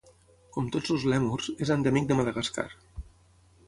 Com tots els lèmurs, és endèmic de Madagascar.